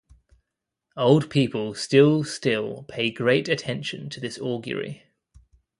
Old people still still pay great attention to this augury.